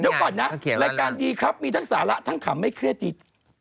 เดี๋ยวก่อนนะรายการดีครับมีทั้งสาระทั้งขำไม่เครียดดี